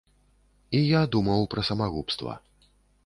І я думаў пра самагубства.